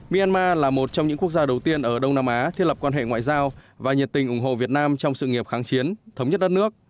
myanmar là một trong những quốc gia đầu tiên ở đông nam á thiết lập quan hệ ngoại giao và nhiệt tình ủng hộ việt nam trong sự nghiệp kháng chiến thống nhất đất nước